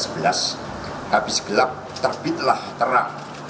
habis gelap terbitlah terang